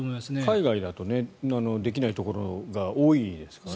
海外だとできないところが多いですからね。